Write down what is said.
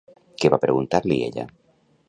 Què va preguntar-li, ella?